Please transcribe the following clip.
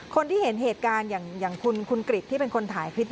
คนที่เห็นเหตุการณ์อย่างคุณกริจที่เป็นคนถ่ายคลิป